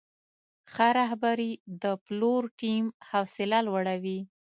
ښه رهبري د پلور ټیم حوصله لوړوي.